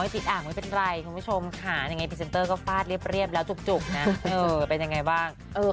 ติดอ่างไม่เป็นไรคุณผู้ชมค่ะยังไงพรีเซนเตอร์ก็ฟาดเรียบแล้วจุกนะเป็นยังไงบ้าง